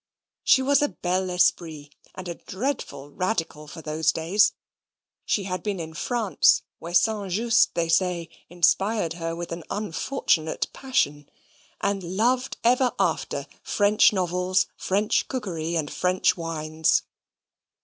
She was a bel esprit, and a dreadful Radical for those days. She had been in France (where St. Just, they say, inspired her with an unfortunate passion), and loved, ever after, French novels, French cookery, and French wines.